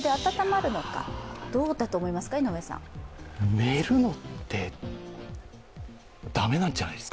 寝るのって駄目なんじゃないですか？